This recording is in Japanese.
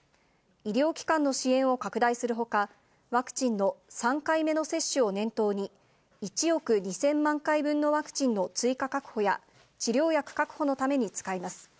医療機関の支援を拡大するほか、ワクチンの３回目の接種を念頭に、１億２０００万回分のワクチンの追加確保や、治療薬確保のために使います。